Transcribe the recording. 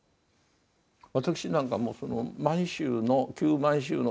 私なんかもその満州の旧満州のですね